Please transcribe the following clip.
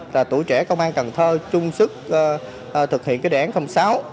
và tủ trẻ công an cần thơ chung sức thực hiện đề án sáu